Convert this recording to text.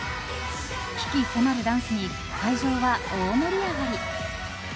鬼気迫るダンスに会場は大盛り上がり。